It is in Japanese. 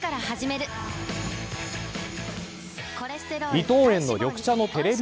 伊藤園の緑茶のテレビ